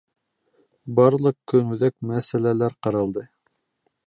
Барлыҡ көнүҙәк мәсьәләләр ҡаралды.